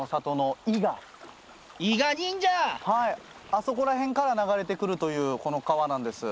あそこら辺から流れてくるというこの川なんです。